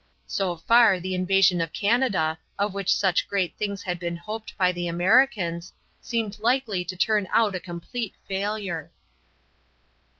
So far the invasion of Canada, of which such great things had been hoped by the Americans, appeared likely to turn out a complete failure.